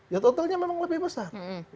ya totalnya memang lebih besar